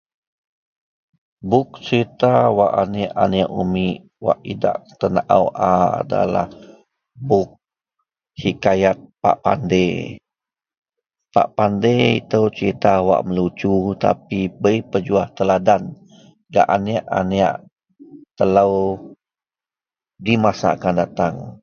buk serita wak aneik-aneik umik wak idak tenaou a adalah buk hikayat pak pandir, pak pandir itou serita wak melucu tapi bei menjuah teladan gak aneik-aneik telou di masa akan datang